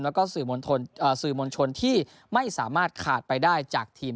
แล้วก็สื่อมนตรนเอ่อสื่อมนชนที่ไม่สามารถขาดไปได้จากทีม